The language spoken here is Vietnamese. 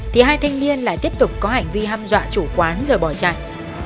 thì hai thanh niên lại tiếp tục có hành vi hâm dọa chủ quán rồi bỏ chạy